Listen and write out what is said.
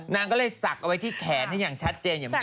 นางก็เลยสักเอาที่แขนให้ยังชัดเจน